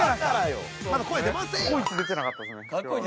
◆過去一出てなかったですね。